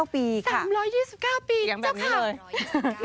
๓๒๙ปีค่ะอย่างแบบนี้เลย๓๒๙ปีค่ะ